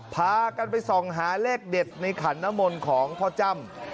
พากันไปส่องหาเลขเด็ดในขันนมลของพ่อจ้ำ